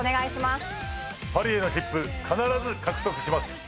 パリへの切符必ず獲得します。